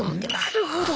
なるほど。